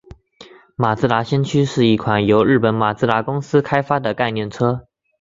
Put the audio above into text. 马自达先驱是一款由日本马自达公司开发的概念车。